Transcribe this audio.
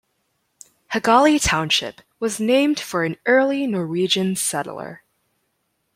Hagali Township was named for an early Norwegian settler.